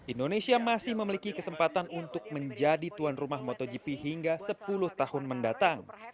indonesia masih memiliki kesempatan untuk menjadi tuan rumah motogp hingga sepuluh tahun mendatang